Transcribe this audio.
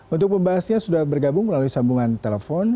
untuk pembahasnya sudah bergabung melalui sambungan telepon